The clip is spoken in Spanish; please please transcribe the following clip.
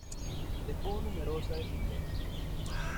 Dejó numerosa descendencia.